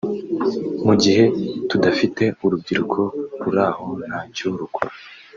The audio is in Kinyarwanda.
mu gihe tudafite urubyiruko ruraho ntacyo rukora